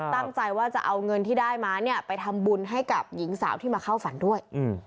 ตั้งใจว่าจะเอาเงินที่ได้มาเนี่ยไปทำบุญให้กับหญิงสาวที่มาเข้าฝันด้วย